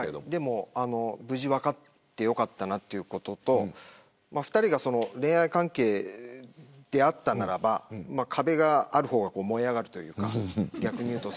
無事、分かってよかったなということと２人が恋愛関係であったならば壁がある方が燃え上がるというか逆に言うと。